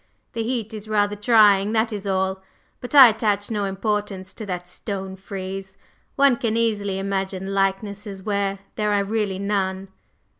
"The heat is rather trying, that is all. But I attach no importance to that stone frieze. One can easily imagine likenesses where there are really none."